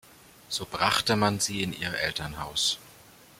So brachte man sie in ihr Elternhaus.